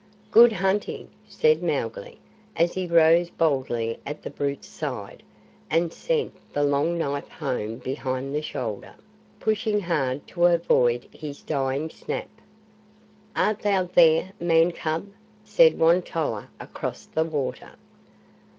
"Good hunting!" said Mowgli, as he rose boldly at the brute's side, and sent the long knife home behind the shoulder, pushing hard to avoid his dying snap. "Art thou there, Man cub?" said Won tolla across the water.